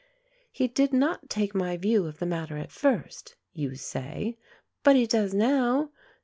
"He did not take my view of the matter at first," you say, "but he does now.